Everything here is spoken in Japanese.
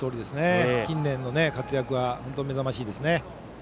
近年の活躍は本当に目覚ましいですね。